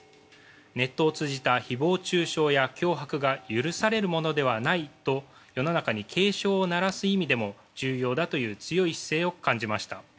ネットを通じた誹謗中傷や脅迫が許されるものではないと世の中に警鐘を鳴らす意味でも重要だという強い姿勢を感じました。